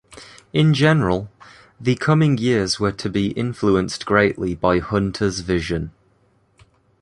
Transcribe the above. In general, the coming years were to be influenced greatly by Hunter's vision.